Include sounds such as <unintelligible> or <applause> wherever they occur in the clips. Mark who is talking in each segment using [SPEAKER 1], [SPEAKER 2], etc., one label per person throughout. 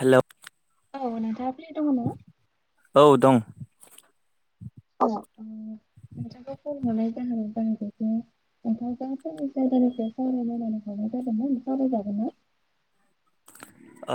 [SPEAKER 1] Hello
[SPEAKER 2] औ नोंथांआ free दङो ना
[SPEAKER 1] औ दं
[SPEAKER 2] औ नोंथांखौ फन हरनाय जाहोनानो जादों ओ नोंथांजों फंनैसो आयदानि सावरायनो होननानै ह'रनाय जादोंमोन सावराय जागोन ना
[SPEAKER 1] ओ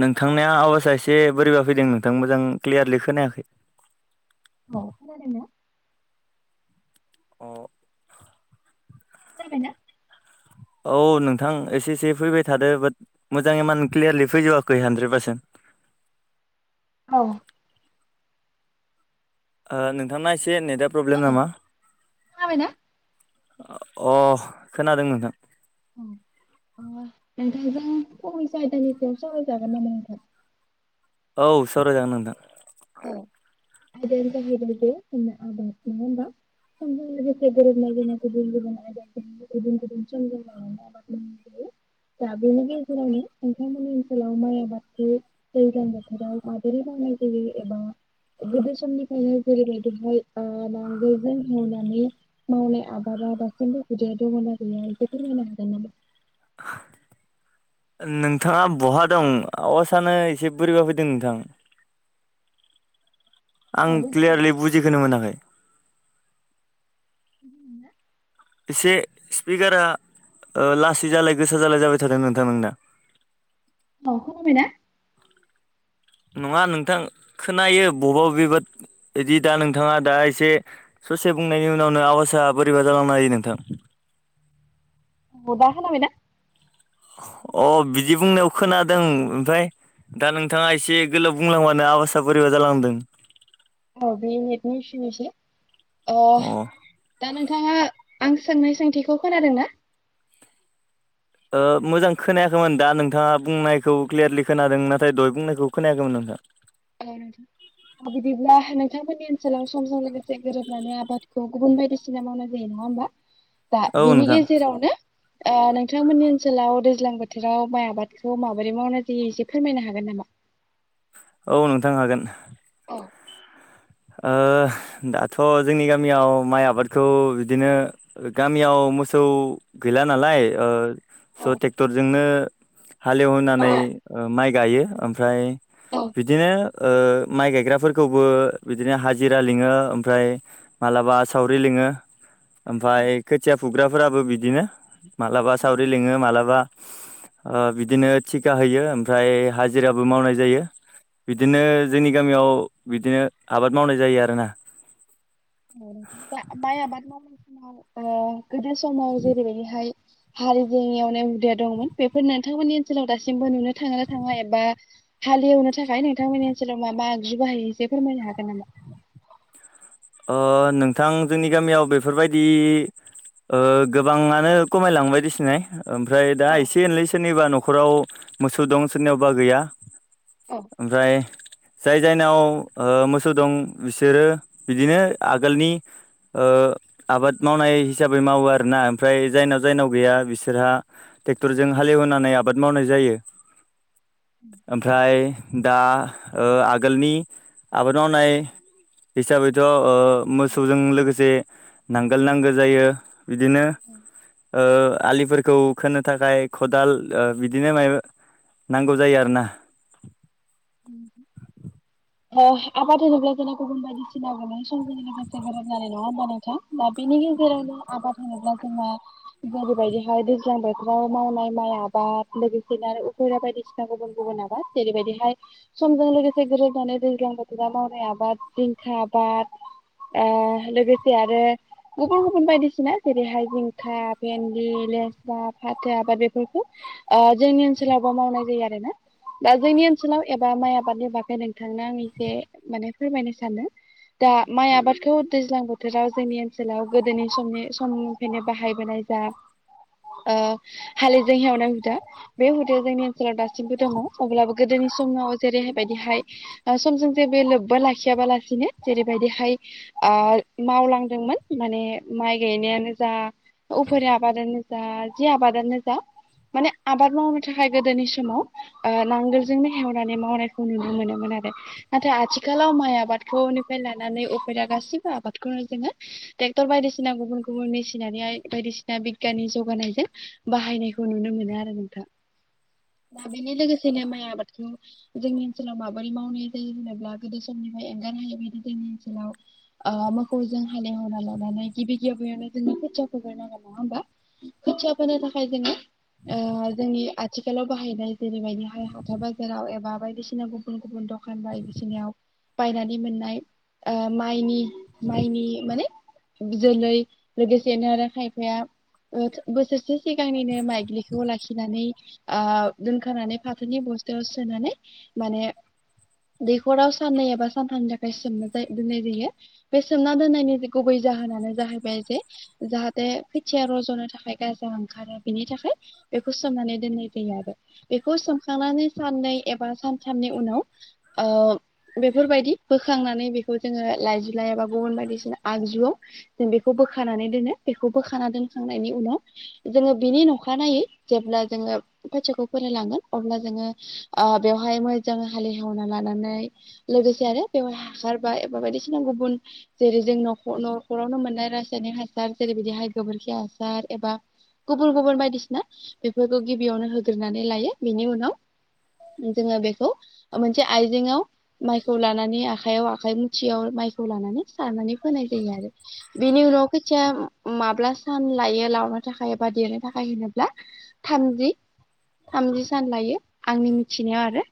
[SPEAKER 1] नोंथांनि आवाजआ एसे बोरैबा फैदों नोंथां मोजां क्लियारलि खोनायाखै
[SPEAKER 2] औ खादों ना
[SPEAKER 1] अ
[SPEAKER 2] खोनाबायना
[SPEAKER 1] औ नोंथां एसे एसे फैबाय थादो बाट मोजाङै माने क्लियारलि फैजोबाखै हानद्रेद पार्सेन्ट
[SPEAKER 2] औ
[SPEAKER 1] ओ थांना एसे नेटआ प्रब्लेम नामा
[SPEAKER 2] खोनाबायना
[SPEAKER 1] अ खोनादों नोंथां
[SPEAKER 2] अ नोंथांजों फंनैसो आयदानि सावराय जागोन नामा नोंथां
[SPEAKER 1] औ सावरायजानो नोंथां
[SPEAKER 2] औ
[SPEAKER 1] <unintelligible>
[SPEAKER 2] आयदायानो जाहैबाय बे <unintelligible> <unintelligible> दा बेनि गेजेरनो नोंथांमोननि ओनसोलाव माइ आबादखौ दैज्लां बोथोराव माबादि मावनाय जायो एबा
[SPEAKER 1] <inaudible>
[SPEAKER 2] गोदो समनिफ्रायायनो जेरैबायदिहाय नांगोलजों एवनानै माउनाय आबादा दासिमबो हुदाया दंना गैया बेखौ फोरमायना होनो हागोन नामा
[SPEAKER 1] <inaudible> नोंथाङा बहा दं आवासानो एसे बोरैबा फैदों नोंथां आं
[SPEAKER 2] हागोन
[SPEAKER 1] क्लियारलि
[SPEAKER 2] नामा?
[SPEAKER 1] बुजिखोनो मोनाखै
[SPEAKER 2] <unintelligible>
[SPEAKER 1] एसे स्पिकारा लासै जालाय गोसा जालाय जाबाय थादों नोंथां नोंना
[SPEAKER 2] औ खोनाबायना
[SPEAKER 1] नङा नोंथां खोनायो बबेबा इदि दा नोंथाङा दा एसे ससे बुंनायनि उनावनो आवासा बोरैबा जालांनो हायो नोंथां
[SPEAKER 2] दा खोनाबायना
[SPEAKER 1] अ बिदि बुंनायाव खोनादों ओमफ्राय दा नोंथाङा एसे गोलाव बुंलांबानो आबासा बोरैबा जालांदों
[SPEAKER 2] आ बे नेदनि इसु एसे ओ
[SPEAKER 1] अ
[SPEAKER 2] दा नोंथाङा आं सोंनाय सोंथिखौ खोनादोंना
[SPEAKER 1] ओ मोजां खोनायाखैमोन दा नोंथाङा बुंनायखौ क्लियारलि खोनादों नाथाय दहाय बुंनायखौ खोनायाखैमोन नोंथा
[SPEAKER 2] हेलौ नोंथां बिदिब्ला नोंथांमोननि ओनसोलाव समजों लोगोसे गोरोबनानै आबादखौ गुबुन बायदिसिना मावनाय जायो नङा होमबा
[SPEAKER 1] <inaudible>
[SPEAKER 2] दा बिनि
[SPEAKER 1] नोंथां
[SPEAKER 2] गेजेरावनो आ नोंथांमोननि ओनसोलाव दैज्लां बोथोराव माइ आबादखौ माबोरै मावनाय जायो एसे फोरमायनो हागोन नामा
[SPEAKER 1] औ नोंथां हागोन
[SPEAKER 2] औ
[SPEAKER 1] ओ दाथ जोंनि गामियाव माइ आबादखौ बिदिनो गामियाव मोसौ गैला नालाय ओ स ट्रेक्टरजोंनो हालेवहोनानै माइ गायो ओमफ्राय बिदिनो ओ माइ गायग्राफोरखौबो बिदिनो हाजिरा लिङो ओमफ्राय मालाबा सावरि लिङो ओमफ्राय खोथिया फुग्राफोराबो बिदिनो मालाबा सावरि लिङो मालाबा बिदिनो थिखा होयो ओमफ्राय हाजिराबो मावनाय जायो बिदिनो जोंनि गामियाव बिदिनो आबाद मावनाय जायो आरोना
[SPEAKER 2] औ दा माइ आबाद मावनाय समाव गोदो समाव जेरैहाय हालिजों एवनाय हुदाया दंमोन बेफोर नोंथांमोननि ओनसोलाव दासिमबो नुनो थांङोना थाङा एबा हालेवनो थाखाय नोंथांमोननि ओनसोलाव मा मा आगजु बाहायो एसे फोरमायनो हागोन नामा
[SPEAKER 1] ओ नोंथां जोंनि गामियाव बेफोरबायदि ओ गोबाङानो खमायलांबायदिसिनाय ओमफ्राय दा
[SPEAKER 2] औ
[SPEAKER 1] एसे एनै सोरनिबा न'खराव मोसौ दं सोरनियावबा गैया
[SPEAKER 2] औ
[SPEAKER 1] ओमफ्राय जाय जायनाव ओ मोसौ दं बिसोरो बिदिनो आगोलनि आबाद मावनाय हिसाबै मावो आरोना ओमफ्राय जायनाव जायनाव गैया बिसोरहा ट्रेक्टरजों हालेवोननानै आबाद मावनाय जायो ओमफ्राय दा आगोलनि आबाद मावनाय हिसाबैथ ओ
[SPEAKER 2] औ
[SPEAKER 1] मोसौजों लोगोसे नांगोल नांगो जायो बिदिनो ओ आलिफोरखौ खोनो थाखाय खदाल ओ बिदिनो माबा नांगौ जायो आरो ना
[SPEAKER 2] उम आबाद होनोब्ला जोंना गुबुन बायदिसिना गोनां समजों लोगोसे गोरोब जानाय नङा होमबा नोंथां? दा बेनि गेजेरावनो आबाद होनोब्ला जोंहा दा बेबायदिहाय दैज्लां बोथोराव मावनाय माइ आबाद लोगोसेनो आरो उफा बायदि बिसिना गुबुन गुबुन नाबा जेरैबायदिहाय समजों लोगोसे गोरोबनानै दैज्लां बोथोरा मावनाय आबाद दिंखा आबाद ओ लोगोसे आरो गुबुन गुबुन बायदिसिना जेरैहाय जिंखा भेन्लि लेस्रा फाथो आबाद बेफोरखौ ओ जोंनि ओनसोलावबो मावनाय जायो आरोोना दा जोंनि ओन ओनसोलाव एबा माइ आबादनि बागै नोंथांनो आं एसे माने फोरमायनो सानो। दा माइ आबादखौ दैज्लां बोथोराव जोंनि ओनसोलाव गोदोनि समनि समनिफ्रायनो बाहायबोनाय जायो। जा ओ हालैजों हेवनाय हुदा बे हुदाया जोंनि ओनसोलाव दासिमबो दङ अब्लाबो गोदोनि समाव जेरैहायबायदिहाय ओ समजों जे बे लोब्बा लाखियाबालासिनो जेरैबायदिहाय ओ मावलांदोंमोन माने माइ गायनायानो जा उफेरा आबादानो जा जे आबादानो जा माने आबाद मावनो थाखाय गोदोनि समाव नांगोल जोंनो हेवनानै मावनायखौ नुनो मोनोमोन आरो। नाथाय आथिखालाव माइ आबादखौनिफ्राय लानानै उफेरा गासैबो आबादखौनो जोङो। ट्रेक्टर बायदिसिना गुबुन गुबुन मेसिनारि बायदिसिना बिगियाननि जौगानायजों बाहायनायखौ नुनो मोनो आरो नोंथां दा बेनि लोगोसेनो माइ आबादखौ जोंनि ओनसोलाव माबोरै माव नाय जायो जेने गोदो समनिफ्राय एंगार हायै बायदि जोंनि ओनसोलाव ओ मोखौ जों हालेवना लानानै गिबि गिबियावयावनानै जोंनि खोथिया फ ग नांगोन नङा होमबा? खोथिया फोनो थाखाय जोङो ओ जोंनि आथिखालाव बाहायनाय जेरैबायदि हाय हा हाथा बाजाराव एबा बायदिसिना गुबुन गुबुन दखान बायदिसिनायाव। बायनानै मोननाय ओ माइनि माइनि माने जोलै लोगोसेनो आरो खायफाया बोसोरसे सिगांनिनो माइग्लिखौ लाखिनानै ओ दोनखानानै फाथोनि बस दों सोनानै माने दैखराव साननै एबा सानथामनि थाखाय सोमना दोननाय जायो बे सोमना दोननायनि। गुबै जाहोनानो जाहैबाय जे जाहाथे खथिया रज'नो थाखाय गाजा ओंखारो बिनि थाखाय बेखौ सोमनानै दोननाय जायो आरो। बेखौ सोमखांनानै साननै एबा सानथामनि उनाव बेफोरबायदि बोखांनानै बेखौ जोङो लाइजु लायाबा गुबुन बायदिसिना आगजुआव। जों बेखौ बोखानानै दोनो बेखौ बोखाना दोनखांनायनि उनाव। जोङो बिनि नखा नायै जेब्ला जोङो बैसाखौ फरायलांगोन अब्ला जोङो बेवहाय मोजां हालेएवना लानानै लोगोसे आरो बेव हासार बा एबा बायदिसिना गुबुन जेरै जों नख न'खरावनो मोननाय रासायनिक हासार जेरै बिदिहाय गोबोरखि हासार एबा। गुबुन गुबुन बायदिसिना बेफोरखौ गिबियावनो होग्रोनानै लायो बिनि उनाव जोङो बेखौ मोनसे आइजेंआव माइखौ लानानै आखाइयाव आखाइ मुथियाव माइ लानानै सारनानै फोनाय जायो आरो बेनि उनाव खोथिया माब सान लायो लावनो थाखाय एबा देरनो थाखाय होनोब्ला थान्दि थामजि सान लायो आंनि मिथिनायाव आरो।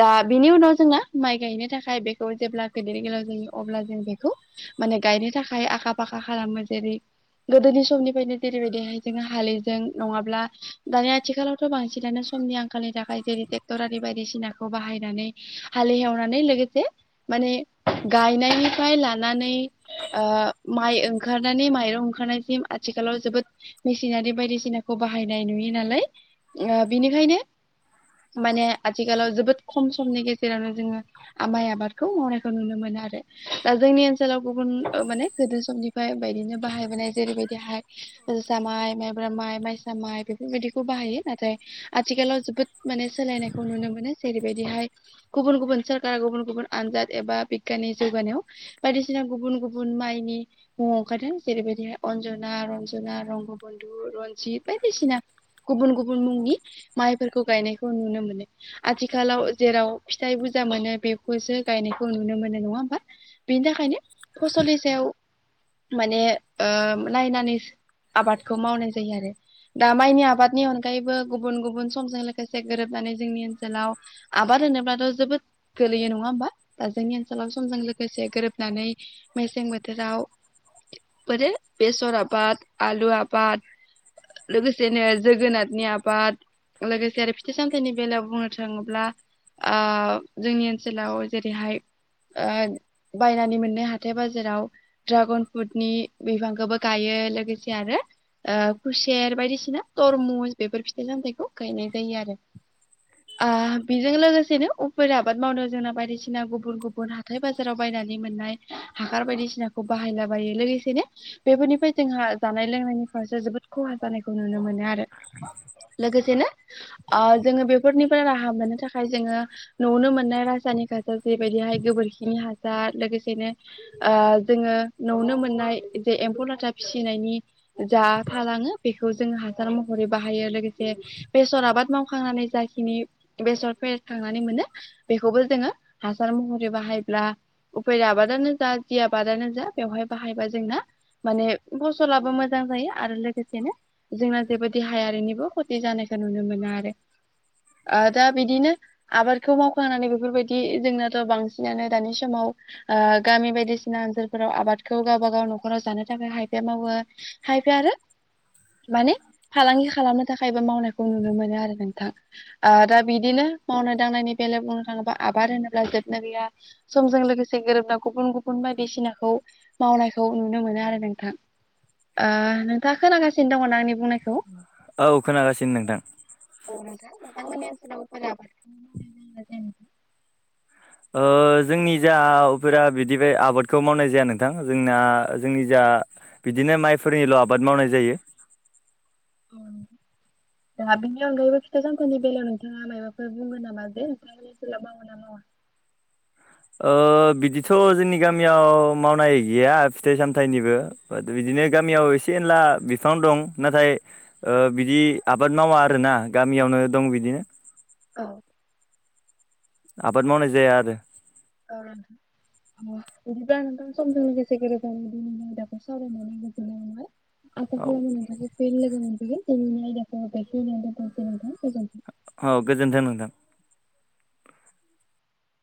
[SPEAKER 2] दा बिनि उनाव जोङो माइ गायनो थाखाय बेखौ जेब्ला गेदेर गोलाव जायो अब्ला जों बेखौ माने गायनो थाखाय आखा फाखा खालामो जेरै गोदोनि समनिफ्रायनो जेरैबायदिहाय जोङो हालिजों नङाब्ला दानि आखालावथ' बांसि नानो समनि आंखालनि थाखाय जेरै ट्रेक्टर आरि बायदिसिनाखौ बाहायनानै हालेवनानै लोगोसे माने गायनायनिफ्राय लानानै माइ ओंखारनानै माइरं ओंखारनायसिम आथिखालाव जोबोद मेसिनारि बायदिसिनाखौ बाहायनाय नुयो नालाय बिनिखायनो माने आथिखालाव जोबोद खम समनि गेजेरावनो जोङो आमाइ आबादखौ मावनायखौ नुनो मोनो आरो दा जोंनि ओनसोलाव गुबुन माने गोदो समनिफ्राय बिदिनो बाहायबोनाय जेरैबायदिहाय जोसा माइ माइब्रा माइ माइसा माइ बेफोरबायदिखौ बाहायो नाथाय आथिखालाव जोबोद माने सोलायनायखौ नुनो मोनो जेरैबायदिहाय गुबुन गुबुन सोरकार गुबुन गुबुन आनजाद एबा बिगियाननि जौगानायाव बायदिसिना गुबुन गुबुन माइनि ओंखारदों जेरैबायदिहाय अन्जना रन्जना रंग बन्धु रनजित बायदिसिना गुबुन गुबुन मुंनि माइफोरखौ गायनायखौ नुनो मोनो आथिखालाव जेराव फिथाइ बुरजा मोनो बेखौसो गायनायखौ नुनो मोनो नङा होमबा बेनि थाखायनो फसलनि सायाव माने नायनानै आबादखौ मावनाय जायो आरो दा माइनि आबादनि अनगायैबो गुबुन गुबुन समजों लोगोसे गोरोबनानै जोंनि ओनसोलाव आबाद होनोब्लाथ' जोबोद गोलैयो नङा होमबा दा जोंनि ओनसोलाव समजों लोगोसे गोरोबनानै मेसें बोथोराव बोरो बेसर आबाद आलु आबाद लोगोसेनो जोगोनाथनि आबाद लोगोसे आरो फिथाइ सामथायनि बेलायाव बुंनो थाङोब्ला जोंनि ओनसोलाव जेरैहाय बायनानै मोननाय हाथाय बाजाराव ड्रागन फ्रुटनि बिफांखौबो गायो लोगोसे आरो खुसेर बायदिसिना तरमुस बेफोर फिथाइ सामथाइखौ गायनाय जायो आरो
[SPEAKER 1] <inaudible>
[SPEAKER 2] ओ बेजों लोगोसेनो उफेरा आबाद मावनो जोंना बायदिसिना गुबुन गुबुन हाथाइ बाजाराव बायनानै मोननाय हाखार बायदिसिनाखौ बाहायलाबायो लोगोसेनो बेफोरनिफ्राय जोंहा जानाय लोंनायनि फारसे जोबोद खहा जानायखौ नुनो मोनो आरो लोगोसेनो जोङो बेफोरनिफ्राय राहा मोननो थाखाय जोङो न'आवनो मोननाय रासायनिक हासार जेरैबायदिहाय गोबोरखिनि हासार लोगोसेनो जोङो नवावनो मोननाय जे एम्फौ लाथा फिसिनायनि जा थालाङो बेखौ जोङो हासार महरै बाहायो लोगोसे बेसर आबाद मावखांनानै जाखिनि बेसर फेरेदखांनानै मोनो बेखौबो जोङो हासार महरै बाहायब्ला उफेरा आबादानो जा जि आबादानो जा बेवहाय बाहायबा जोंना माने फसलाबो मोजां जायो आरो लोगोसेनो जोंना जेबो देहायारिनिबो खथि जानायखौ नुनो मोनो आरो ओ दा बिदिनो आबादखौ मावखांनानै बेफोरबायदि जोंनाथ' बांसिनानो दानि समाव गामि बायदिसिना ओनसोलफोराव आबादखौ गावबा गाव न'खराव जानो थाखाय हायफाया मावो खायफाया आरो माने फालांगि खालामनो थाखाय बा मावनाय खौ नुनो मोनो आरो नोंथां दा बिदिनो मावनाय दांनायनि बेलायाव बुंनो थाङोब्ला आबाद होनोब्ला जोबनो गैया समजों लोगोसे गोरोबनाय गुबुन गुबुन बायदिसिनाखौ मावनायखौ नुनो मोनो आरो नोंथां नोंथाङा खोनागासिनो दङ ना आंनि बुंनायखौ
[SPEAKER 1] औ खोनागासिनो नोंथां
[SPEAKER 2] औ नोंथा <unintelligible>
[SPEAKER 1] जोंनि जाफोरा बिदिबाय आबादखौ मावनाय जाया नोंथां जोंना जोंनि जा बिदिनो माइफोरनिल' आबाद मावनाय जायो।
[SPEAKER 2] औ
[SPEAKER 1] <inaudible>
[SPEAKER 2] दा बेनि अनगायैबो फिथाइ सामथाइनि बेलायाव नोंथाङा माबाफोर बुंगोन नामा बेेफ्राय बेखौ लाबा मोना नामा
[SPEAKER 1] बिदिथ' जोंनि गामियाव मावनाय गैया फिथाइ सामथाइनिबो बाद बिदिनो गामियाव एसे एनला बिफां दं नाथाय ओ बिदि आबाद मावा आरोना गामियावनो दं बिदिनो
[SPEAKER 2] औ
[SPEAKER 1] आबाद मावनाय जाया आरो
[SPEAKER 2] औ बिदिब्ला नोंथां सम सम बिदि <unintelligible>
[SPEAKER 1] औ
[SPEAKER 2] <unintelligible> गोजोनथों
[SPEAKER 1] औ गोजोन्थों नोंथां